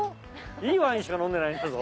いいワインしか飲んでないんだぞ？